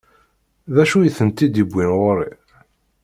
D acu i tent-id-iwwin ɣur-i?